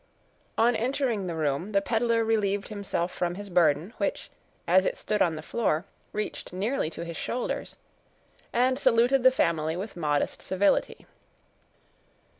On entering the room, the peddler relieved himself from his burden, which, as it stood on the floor, reached nearly to his shoulders, and saluted the family with modest civility.